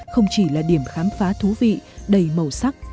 không chỉ là điểm khám phá thú vị đầy màu sắc